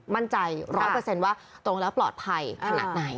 มั่นใจ๑๐๐ว่าตรงแล้วปลอดภัยขนาดไหน